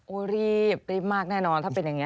รีบรีบมากแน่นอนถ้าเป็นอย่างนี้